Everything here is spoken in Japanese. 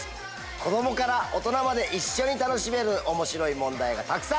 子供から大人まで一緒に楽しめる面白い問題がたくさん！